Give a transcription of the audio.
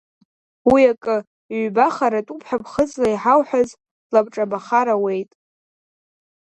Уи акы, ҩба харатәупҳәа ԥхыӡла иҳауҳәаз лабҿабахар ауеит.